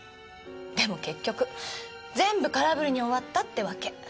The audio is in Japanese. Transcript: でも結局全部空振りに終わったってわけ。